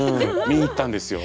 見に行ったんですよ。